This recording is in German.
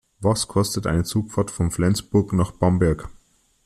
Was kostet eine Zugfahrt von Flensburg nach Bamberg?